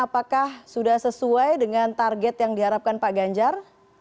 apakah sudah sesuai dengan target yang diharapkan pak ganjar